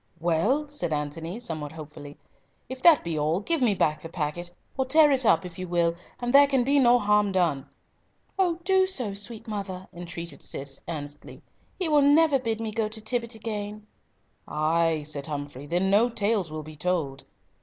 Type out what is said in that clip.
"Well," said Antony, somewhat hopefully, "if that be all, give me back the packet, or tear it up, if you will, and there can be no harm done." "Oh, do so, sweet mother," entreated Cis, earnestly; "he will never bid me go to Tibbott again." "Ay," said Humfrey, "then no tales will be told."